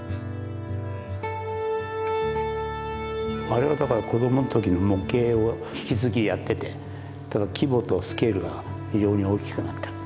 あれはだから子どもの時の模型を引き続きやっててただ規模とスケールが非常に大きくなった。